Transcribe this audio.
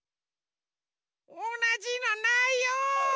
おなじのないよ！